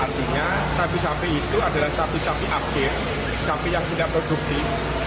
artinya sapi sapi itu adalah sapi sapi akhir sapi yang tidak produktif